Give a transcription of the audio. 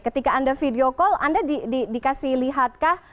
ketika anda video call anda dikasih lihatkah